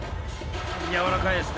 柔らかいですね。